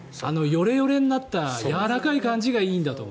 よれよれになったやわらかい感じがいいんだと思う。